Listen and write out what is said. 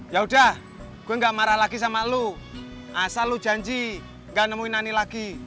yaudah gue gak marah lagi sama lu asal lu janji gak nemuin ani lagi